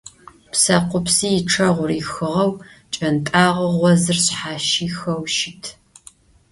Psekhupsi yiççeğu rixığeu, pç'ent'ağeu, ğozır şshaşixeu şıt.